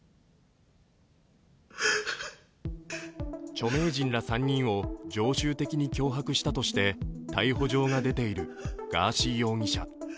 著名人ら３人を常習的に脅迫したとして逮捕状が出ているガーシー容疑者。